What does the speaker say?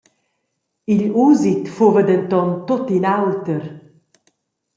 Igl usit fuva denton tut in auter.